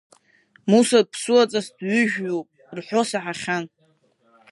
Муса ԥсуаҵас дҩыжәҩуп рҳәо саҳахьан.